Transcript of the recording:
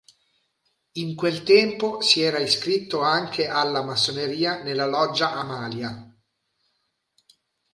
In quel tempo si era iscritto anche alla Massoneria nella Loggia Amalia.